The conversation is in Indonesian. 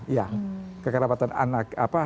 ya kekerabatan anak